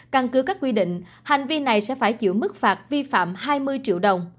căn cứ các quy định hành vi này sẽ phải chịu mức phạt vi phạm hai mươi triệu đồng